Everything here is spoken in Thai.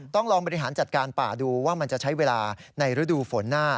ต้องลองบริหารจัดการป่าดูว่ามันจะใช้เวลาในฤดูฝนหน้า